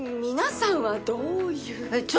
皆さんはどういう。